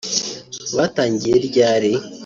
Batangiye ryali